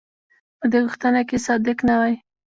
په دې غوښتنه کې صادق نه وای.